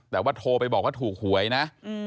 แต่ว่าโทรไปบอกว่าถูกหวยนะ